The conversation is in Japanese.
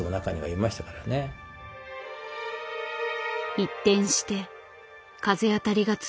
一転して風当たりが強まった。